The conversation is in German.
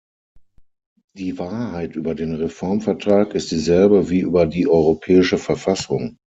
Die Wahrheit über den Reformvertrag ist dieselbe wie über die Europäische Verfassung.